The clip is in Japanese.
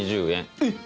えっ！